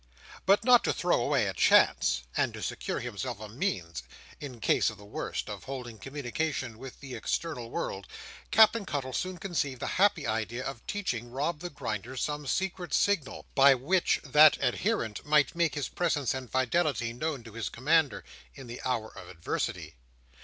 But not to throw away a chance; and to secure to himself a means, in case of the worst, of holding communication with the external world; Captain Cuttle soon conceived the happy idea of teaching Rob the Grinder some secret signal, by which that adherent might make his presence and fidelity known to his commander, in the hour of adversity.